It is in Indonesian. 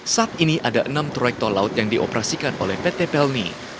saat ini ada enam trayek tol laut yang dioperasikan oleh pt pelni